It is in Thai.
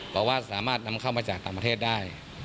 บอกว่าสามารถนำเข้ามาจากต่างประเทศได้